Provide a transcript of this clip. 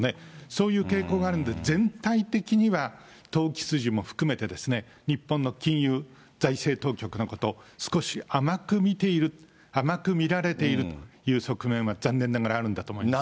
そういう傾向があるんで、全体的には投機筋も含めて、日本の金融、財政当局のこと、少し甘く見ている、甘く見られているという側面は残念ながらあると思います。